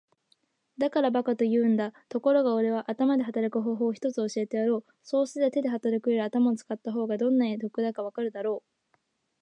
「だから馬鹿と言うんだ。ところがおれは頭で働く方法を一つ教えてやろう。そうすりゃ手で働くより頭を使った方がどんなに得だかわかるだろう。」